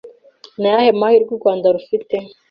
Ni ayahe mahirwe u Rwanda rufite